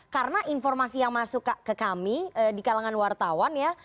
karena informasi yang masuk ke kami di kalangan wartawan ya